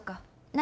何？